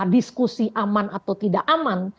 diskusi aman atau tidak aman